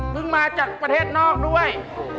มาจากประเทศนอกด้วย